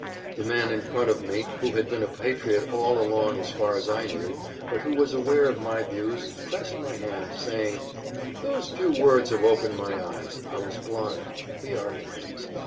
The man in front of me, who had been a patriot all along as far as I knew, but who was aware of my views, pressed my hand, saying, "Those few words have opened my eyes; I was blind; we are friends.